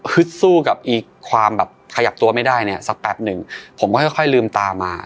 สู้กับอีความแบบขยับตัวไม่ได้เนี่ยสักแป๊บหนึ่งผมก็ค่อยลืมตามา